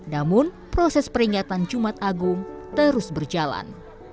namun proses peringatan jumat agung terus berjalan